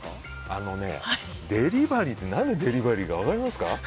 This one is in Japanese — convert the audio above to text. あのね、デリバリーって何でデリバリーだか分かりますか？